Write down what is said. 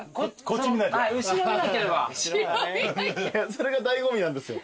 それが醍醐味なんですよ。